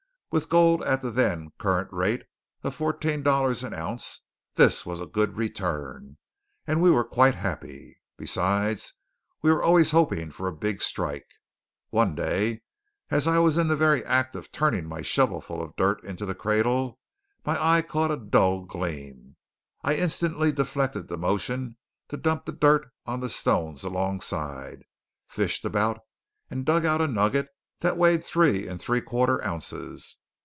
With gold at the then current rate of fourteen dollars an ounce this was a good return, and we were quite happy. Besides, we were always hoping for a big strike. One day, as I was in the very act of turning my shovelful of dirt into the cradle, my eye caught a dull gleam. I instantly deflected the motion to dump the dirt on the stones alongside, fished about, and dug out a nugget that weighed three and three quarter ounces.